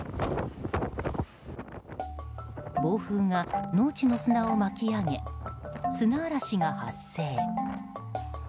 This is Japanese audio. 暴風が農地の砂を巻き上げ砂嵐が発生。